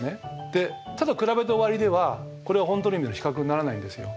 でただ比べて終わりではこれは本当の意味での比較にならないんですよ。